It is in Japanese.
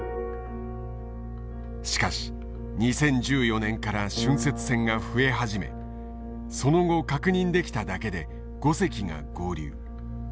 しかし２０１４年から浚渫船が増え始めその後確認できただけで５隻が合流。